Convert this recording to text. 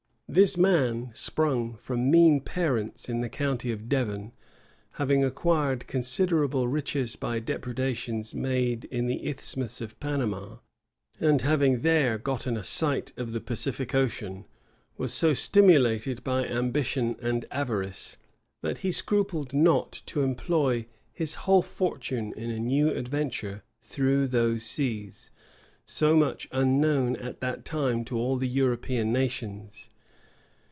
This man, sprung from mean parents in the county of Devon, having acquired considerable riches by depredations made in the Isthmus of Panama, and having there gotten a sight of the Pacific Ocean, was so stimulated by ambition and avarice, that he scrupled not to employ his whole fortune in a new adventure through those seas, so much unknown at that time to all the European nations.